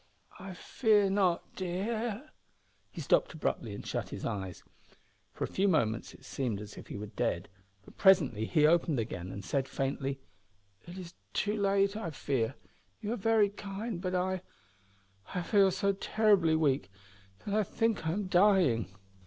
"I fear not, dear " He stopped abruptly and shut his eyes. For a few moments it seemed as if he were dead, but presently he opened them again, and said, faintly, "It is too late, I fear. You are very kind, but I I feel so terribly weak that I think I am dying."